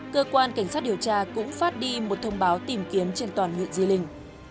cơ quan cảnh sát điều tra cũng phát đi một thông báo tìm kiếm trên toàn huyện di linh